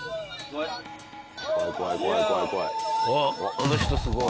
あの人すごい。